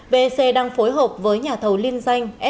vec đang phối hợp với nhà thầu liên danh e ba